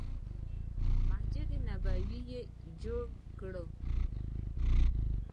مسجد نبوي یې جوړ کړ.